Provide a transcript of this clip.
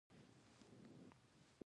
کشمش څنګه جوړیږي؟